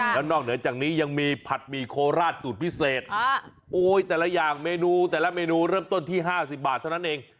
แล้วนอกเหนือจากนี้ยังมีผัดหมี่โคราชสูตรพิเศษโอ้ยแต่ละอย่างเมนูแต่ละเมนูเริ่มต้นที่๕๐บาทเท่านั้นเอง